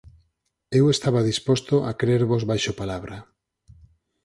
Eu estaba disposto a crervos baixo palabra.